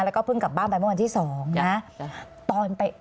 แล้วก็พึ่งกลับบ้านไปวันที่๒นะ